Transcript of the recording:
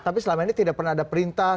tapi selama ini tidak pernah ada perintah